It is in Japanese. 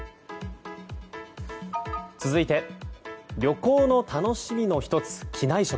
続いて旅行の楽しみの１つ機内食。